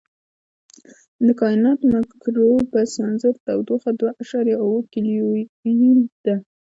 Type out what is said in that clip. د کائناتي مایکروویو پس منظر تودوخه دوه اعشاریه اووه کیلوین ده.